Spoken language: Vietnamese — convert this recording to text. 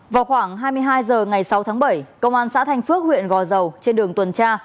vào khoảng hai mươi hai h ngày sáu tháng bảy công an xã thanh phước huyện gò dầu trên đường tuần tra